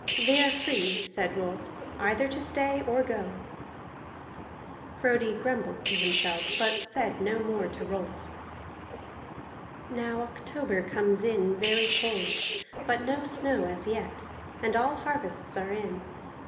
"They are free," said Rolf, "either to stay or go." Frodi grumbled to himself, but said no more to Rolf. Now October comes in very cold, but no snow as yet; and all harvests are in.